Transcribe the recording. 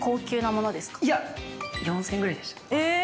いや、４０００円くらいでしえー。